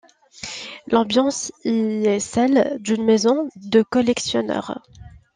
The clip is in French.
L'ambiance y est celle d'une maison de collectionneur.